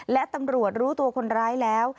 และตำรวจรู้ตัวคนร้ายแล้ว